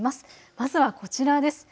まずはこちらです。